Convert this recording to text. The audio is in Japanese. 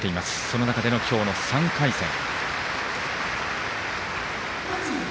その中での今日の３回戦。